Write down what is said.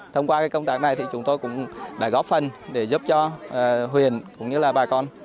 thông qua công tác này thì chúng tôi cũng đã góp phần để giúp cho huyền cũng như là bà con